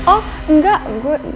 oh enggak gue